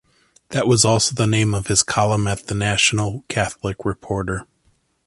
That was also the name of his column at the "National Catholic Reporter".